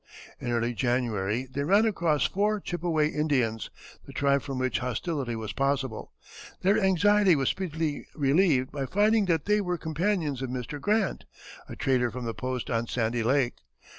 In early January they ran across four Chippeway Indians, the tribe from which hostility was possible. Their anxiety was speedily relieved by finding that they were companions of Mr. Grant, a trader from the post on Sandy Lake.